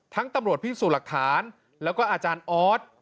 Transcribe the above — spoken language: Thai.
ตำรวจพิสูจน์หลักฐานแล้วก็อาจารย์ออส